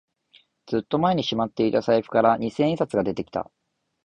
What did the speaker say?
ずっと前にしまっていた財布から二千円札が出てきた